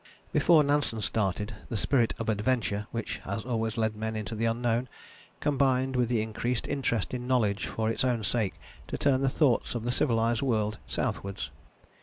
Before Nansen started, the spirit of adventure, which has always led men into the unknown, combined with the increased interest in knowledge for its own sake to turn the thoughts of the civilized world southwards.